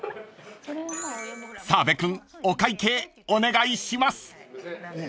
［澤部君お会計お願いします］